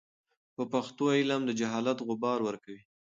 په پښتو علم د جهالت غبار ورکوي.